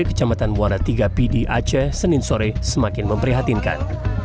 kecamatan buara tiga p di aceh senin sore semakin memprihatinkan